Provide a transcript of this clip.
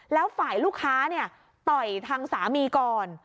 แล้วฝ่ายลูกค้าเนี่ยต่อยทางสามีก่อน